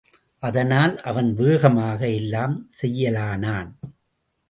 அதனால் அவன் வேகமாக எல்லாம் செய்யலானான்.